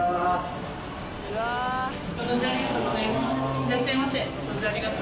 いらっしゃいませ。